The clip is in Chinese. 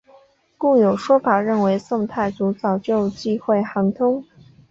故有说法认为宋太祖早就忌讳韩通。